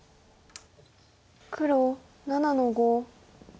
黒７の五。